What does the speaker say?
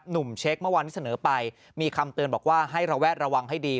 เช็คเมื่อวานที่เสนอไปมีคำเตือนบอกว่าให้ระแวดระวังให้ดี